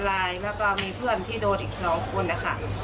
แล้วก็มีเพื่อนที่โดนอีก๒คนค่ะ